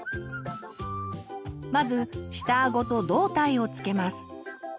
まず下あごと胴体を付けます。